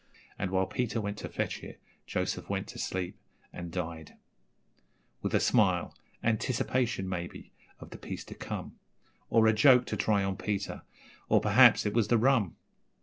And, while Peter went to fetch it, Joseph went to sleep and died With a smile anticipation, maybe, of the peace to come, Or a joke to try on Peter or, perhaps, it was the rum.